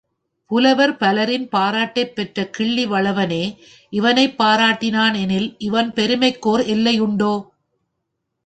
புலவர் பலரின் பாராட்டைப் பெற்ற கிள்ளி வளவனே இவனைப் பாராட்டினான் எனில் இவன் பெருமைக்கோர் எல்லையுண்டோ?